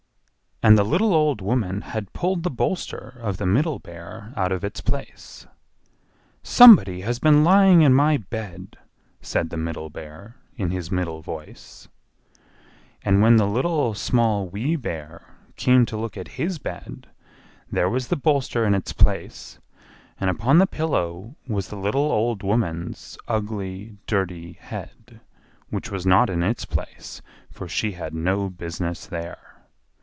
And the little old woman had pulled the bolster of the Middle Bear out of its place. "SOMEBODY HAS BEEN LYING IN MY BED!" said the Middle Bear, in his middle voice. And when the Little, Small, Wee Bear came to look at his bed, there was the bolster in its place, and upon the pillow was the little old woman's ugly, dirty head—which was not in its place, for she had no business there.